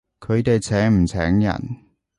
佢哋請唔請人？